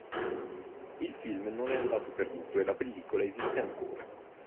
Il film non è andato perduto e la pellicola esiste ancora.